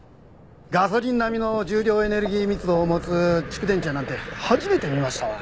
ガソリン並みの重量エネルギー密度を持つ蓄電池やなんて初めて見ましたわ。